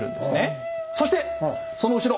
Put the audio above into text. そしてその後ろ。